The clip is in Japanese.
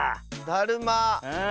だるま。